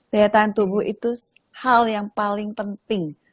daya tahan tubuh itu hal yang paling penting